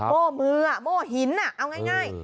โม่มือโม่หินเอาง่าย